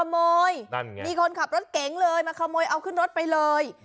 นั่นไงมีคนขับรถเก๋งเลยมาขโมยเอาขึ้นรถไปเลย